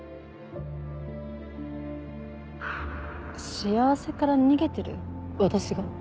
幸せから逃げてる？